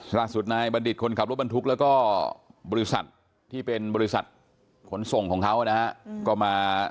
ล่าสุดนายบัณฑิตคนขับรถบรรทุกแล้วก็บริษัทที่เป็นบริษัทขนส่งของเขานะฮะก็มา